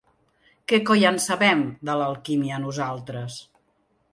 Què coi en sabem, de l’alquímia, nosaltres?